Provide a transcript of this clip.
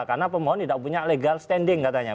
karena pemohon tidak punya legal standing katanya